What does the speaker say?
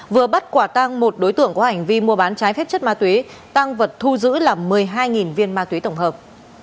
vừa bắt quả tang một đối tượng có hành vi mua bán trái phép chất ma túy tăng vật thu giữ là một mươi hai viên ma túy tổng hợp